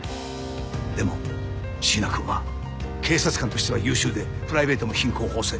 でも椎名くんは警察官としては優秀でプライベートも品行方正。